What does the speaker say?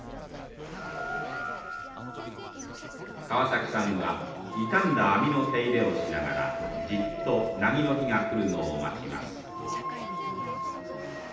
川崎さんは傷んだ網の手入れをしながらじっとなぎの日が来るのを待ちます。